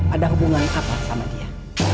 ada hubungan apa sama dia